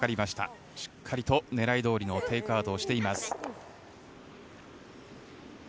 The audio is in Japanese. しっかりと狙いどおりのテイクアウトをしています。